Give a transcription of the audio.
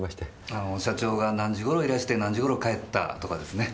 あの社長が何時頃いらして何時頃帰ったとかですね。